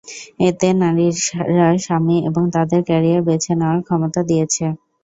এতে নারীরা স্বামী এবং তাদের ক্যারিয়ার বেছে নেওয়ার ক্ষমতা দিয়েছে।